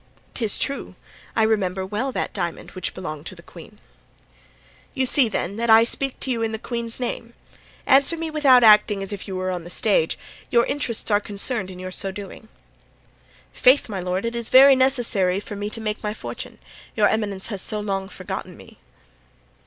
"'Tis true. I remember well that diamond, which belonged to the queen." "You see, then, that I speak to you in the queen's name. Answer me without acting as if you were on the stage; your interests are concerned in your so doing." "Faith, my lord, it is very necessary for me to make my fortune, your eminence has so long forgotten me."